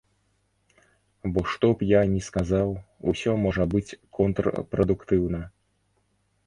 Бо што б я ні сказаў, усё можа быць контрпрадуктыўна.